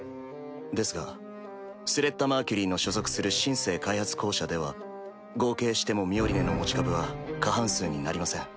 ですがスレッタ・マーキュリーの所属する「シン・セー開発公社」では合計してもミオリネの持ち株は過半数になりません。